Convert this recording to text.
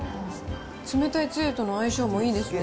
冷たいつゆとの相性もいいですね。